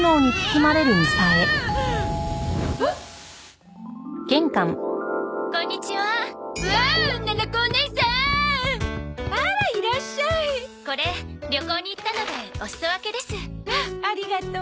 まあありがとう。